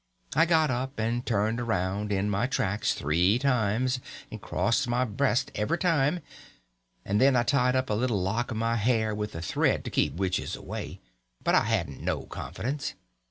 I got up and turned around in my tracks three times and crossed my breast every time; and then I tied up a little lock of my hair with a thread to keep witches away. But I hadn't no confidence.